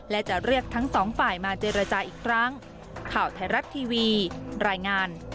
และจะเรียกทั้งสองฝ่ายมาเจรจาอีกครั้ง